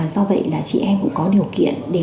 do vậy là chị em cũng có điều kiện để làm được